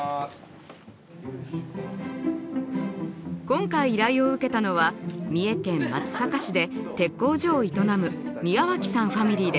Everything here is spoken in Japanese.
今回依頼を受けたのは三重県松阪市で鉄工所を営む宮脇さんファミリーです。